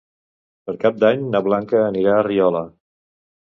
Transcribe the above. Per Cap d'Any na Blanca anirà a Riola.